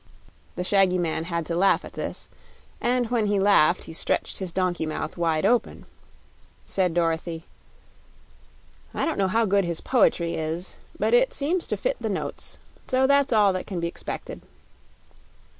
The shaggy man had to laugh at this, and when he laughed he stretched his donkey mouth wide open. Said Dorothy: "I don't know how good his poetry is, but it seems to fit the notes, so that's all that can be 'xpected."